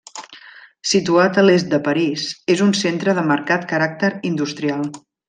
Situat a l'est de París, és un centre de marcat caràcter industrial.